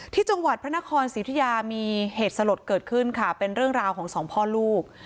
ที่จังหวัดพระนครสิทยามีเหตุสลดเกิดขึ้นค่ะเป็นเรื่องราวของสองพ่อลูก